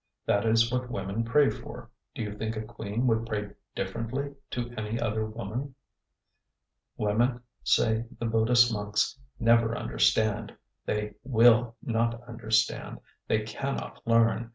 That is what women pray for. Do you think a queen would pray differently to any other woman?' 'Women,' say the Buddhist monks, 'never understand. They will not understand; they cannot learn.